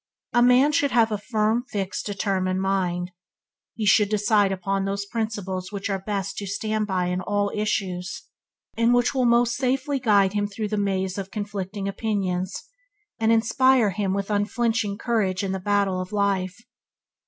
A man should have a firm, fixed, determined mind. He should decide upon those principles which are best to stand by in all issues, and which will most safely guide him through the maze of conflicting opinions, and inspire him with unflinching courage in the battle of life.